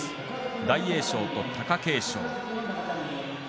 大栄翔と貴景勝です。